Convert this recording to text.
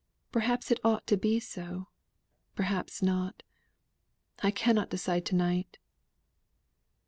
Perhaps it ought to be so, perhaps not; I cannot decide to night."